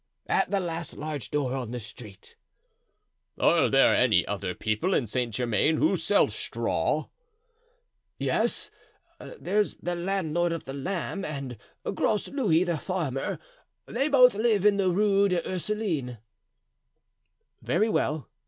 "At the last large door in the street." "Are there any other people in Saint Germain who sell straw?" "Yes; there's the landlord of the Lamb, and Gros Louis the farmer; they both live in the Rue des Ursulines." "Very well."